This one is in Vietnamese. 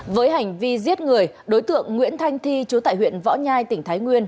với hành vi giết người đối tượng nguyễn thanh thi chú tại huyện võ nhai tỉnh thái nguyên